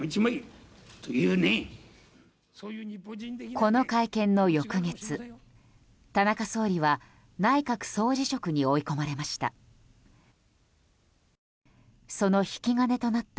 この会見の翌月田中総理は内閣総辞職に追い込まれました。